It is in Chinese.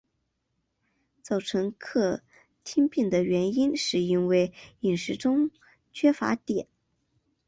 造成克汀病的原因是因为饮食中缺乏碘。